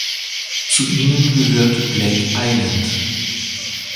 Zu ihnen gehört Blake Island.